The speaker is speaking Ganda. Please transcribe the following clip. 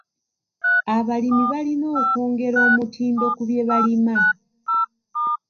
Abalimi balina okwongera omutindo ku bye balima.